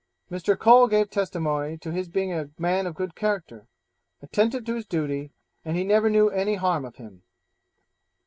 Mr. Cole gave testimony to his being a man of good character, attentive to his duty, and he never knew any harm of him.